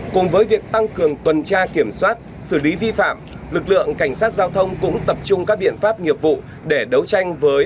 cùng với việc tăng cường tuần tra kiểm soát xử lý vi phạm lực lượng cảnh sát giao thông cũng tập trung các biện pháp nghiệp vụ để đấu tranh với